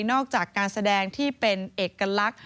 อกจากการแสดงที่เป็นเอกลักษณ์